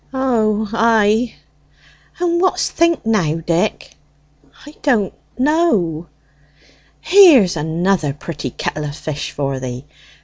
"O, ay." "And what's think now, Dick?" "I don't know." "Here's another pretty kettle o' fish for thee.